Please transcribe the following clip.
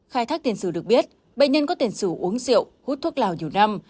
khai thác tiền sự được biết bệnh nhân có tiền sự uống rượu hút thuốc lào nhiều năm